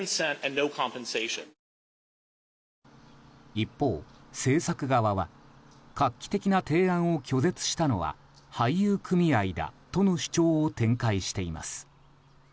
一方、制作側は画期的な提案を拒絶したのは俳優組合だとの主張を展開しています。